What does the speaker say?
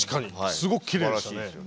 すごくきれいでしたね。